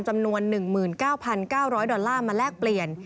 จำนวน๑๙๙๐๐ดอลลาร์มาแลกเปลี่ยน